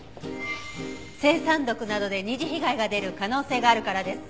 青酸毒などで二次被害が出る可能性があるからです。